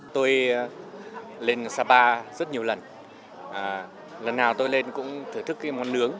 tôi lên sapa rất nhiều lần lần nào tôi lên cũng thưởng thức cái món nướng